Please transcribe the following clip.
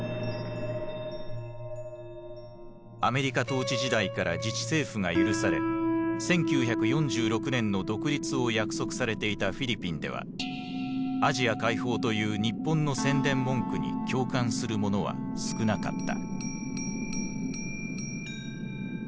アメリカ統治時代から自治政府が許され１９４６年の独立を約束されていたフィリピンではアジア解放という日本の宣伝文句に共感する者は少なかった。